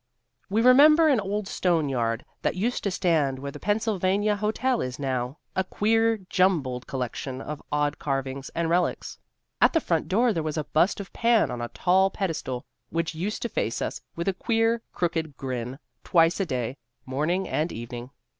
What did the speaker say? We remember an old stone yard that used to stand where the Pennsylvania Hotel is now, a queer jumbled collection of odd carvings and relics. At the front door there was a bust of Pan on a tall pedestal, which used to face us with a queer crooked grin twice a day, morning and evening.